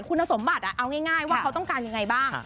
คุณสมบัติเอาง่ายว่าเขาต้องการยังไงบ้าง